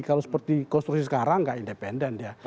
kalau seperti konstruksi sekarang nggak independen ya